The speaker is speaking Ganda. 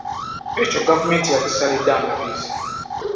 Ekyo gavumenti yakisalidde dda amagezi.